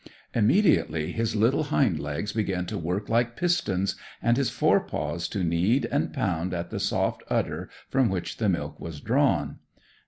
Immediately his little hind legs began to work like pistons, and his fore paws to knead and pound at the soft udder from which the milk was drawn.